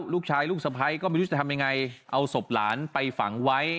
ลูกชายลูกสะพ้ายก็ไม่รู้จะทำยังไงเอาศพหลานไปฝังไว้